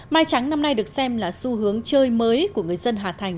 mai trắng năm nay được xem là xu hướng chơi mới của người dân hà thành